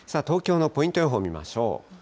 東京のポイント予報を見ましょう。